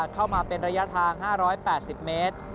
เข้ามาเป็นระยะทาง๕๘๐เมตร